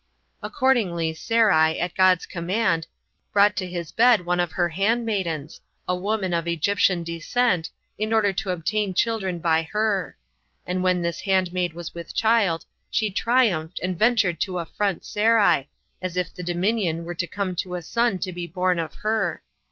Accordingly Sarai, at God's command, brought to his bed one of her handmaidens, a woman of Egyptian descent, in order to obtain children by her; and when this handmaid was with child, she triumphed, and ventured to affront Sarai, as if the dominion were to come to a son to be born of her.